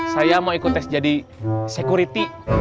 saya mau ikut tes jadi security